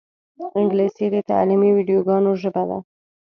انګلیسي د تعلیمي ویدیوګانو ژبه ده